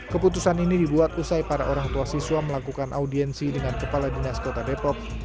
keputusan ini dibuat usai para orang tua siswa melakukan audiensi dengan kepala dinas kota depok